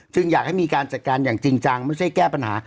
อยากให้มีการจัดการอย่างจริงจังไม่ใช่แก้ปัญหา